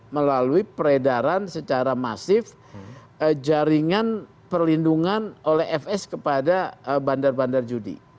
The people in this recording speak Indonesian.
melalui peredaran secara masif jaringan perlindungan oleh fs kepada bandar bandar judi